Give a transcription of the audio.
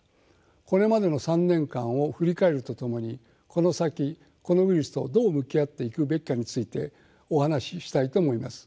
これまでの３年間を振り返るとともにこの先このウイルスとどう向き合っていくべきかについてお話ししたいと思います。